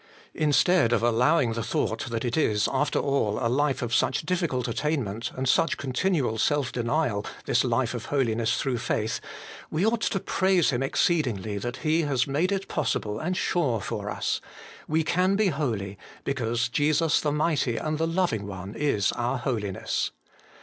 Instead of allow ing the thought that it is, after all, a life of such difficult attainment and such continual self denial, this life of holiness through faith, we ought to praise Him exceedingly that He has made it 164 HOLY IN CHKIST. possible and sure for us : we can be holy, because Jesus the Mighty and the Loving One is our holiness.